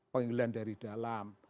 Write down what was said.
panggilan dari dalam